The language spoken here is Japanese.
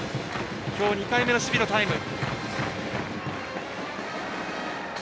今日２回目の守備のタイム。